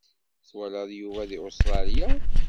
Twalaḍ Yuba di Ustralya?